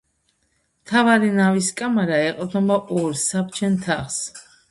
მთავარი ნავის კამარა ეყრდნობა ორ, საბჯენ თაღს.